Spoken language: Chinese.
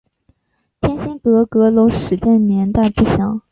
天心阁阁楼始建年代不详。